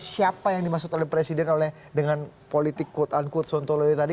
siapa yang dimaksud oleh presiden oleh dengan politik kut ankut sontoloyo tadi